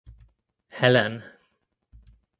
Helene.